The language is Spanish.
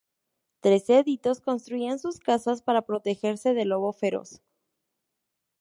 Tres cerditos construían sus casas para protegerse del Lobo Feroz.